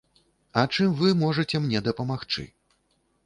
А чым вы можаце мне дапамагчы?